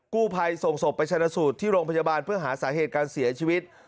กู้ภัยส่งศพไปชนะสูตรที่โรงพยาบาลเพื่อหาสาเหตุการเสียชีวิต